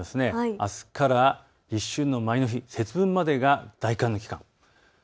あすから立春の前の日節分までが大寒の期間。